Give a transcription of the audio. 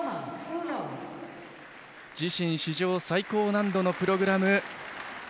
自身史上最高難度のプログラム。